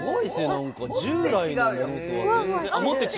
なんか、従来のものとは全然。